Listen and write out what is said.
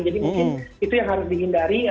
jadi mungkin itu yang harus dihindari